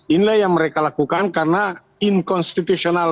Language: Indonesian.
inilah yang mereka lakukan karena inkonstitusional